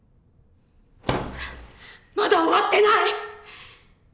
まだ終わってない！